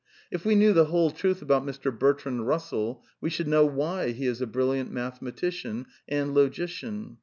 If we knew the whole truth about Mr. Bertrand Bussell, we should ow why he is a brilliant mathematician and logician.